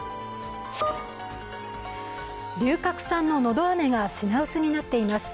龍角散の喉あめが品薄になっています。